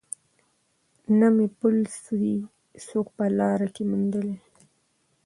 نه مي پل سي څوک په لاره کي میندلای